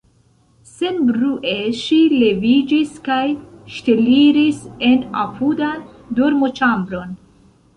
Senbrue ŝi leviĝis kaj ŝteliris en apudan dormoĉambron.